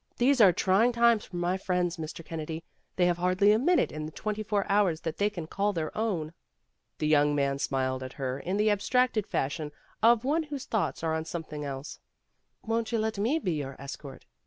These are trying times for my friends, Mr. Kennedy. They have hardly a minute in the twenty four hours that they can call their own." The young man smiled at her in the ab stracted fashion of one whose thoughts are on something else. "Won't you let me be your es cort?"